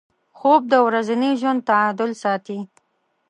خوب د ورځني ژوند تعادل ساتي